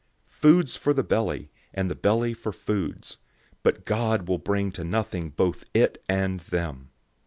006:013 "Foods for the belly, and the belly for foods," but God will bring to nothing both it and them.